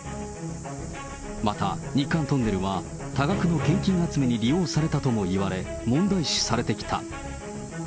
また日韓トンネルは、多額の献金集めに利用されたともいわれ、問題視されてきた。